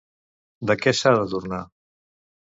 De què s'ha d'adonar?